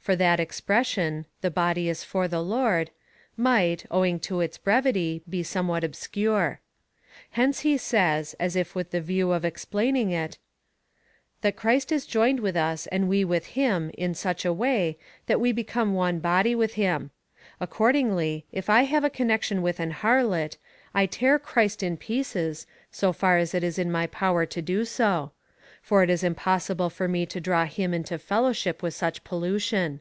For that expression, the body is for the Lord, might, owing to its brevity, be somewhat obscure. Hence he says, as if with the view of explaining it, that Christ is joined Avith us and we with him in such a way, that we become one body with liim. Accord ingly, if I have connection with an harlot, I tear Christ in pieces, so far as it is in my power to do so ; for it is impos sible for me to draw Him into fellowship with such pollution.